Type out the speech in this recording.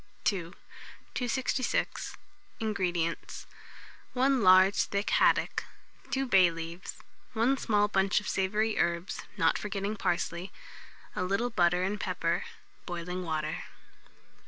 II. 266. INGREDIENTS. 1 large thick haddock, 2 bay leaves, 1 small bunch of savoury herbs, not forgetting parsley, a little butter and pepper; boiling water.